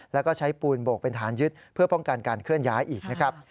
แล้วก็ใช้ปูนโบกเป็นฐานยึดเพื่อป้องกันการเคลื่อนย้ายอีกนะครับ